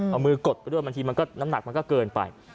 เอามือกดไปด้วยบางทีมันก็น้ำหนักมันก็เกินไป